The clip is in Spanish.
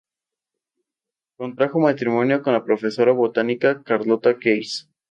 Contrajo matrimonio con la profesora y botánica Carlotta Case.